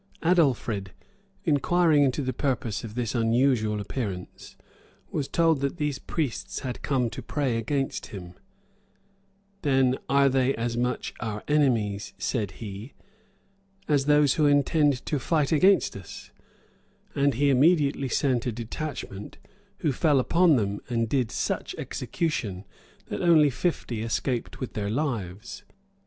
Adelfrid, inquiring into the purpose of this unusual appearance, was told that these priests had come to pray against him: "Then are they as much our enemies," said he, "as those who intend to fight against us;"[*] and he immediately sent a detachment, who fell upon them, and did such execution, that only fifty escaped with their lives.